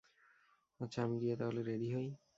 আচ্ছা, আমি গিয়ে তাহলে রেডি হই।